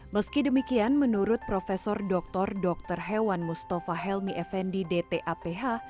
meski demikian menurut prof dr dr hewan mustafa helmi effendi dtaph